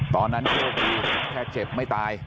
ตอนนั้นเข้าไปแค่เจ็บไม่ตาย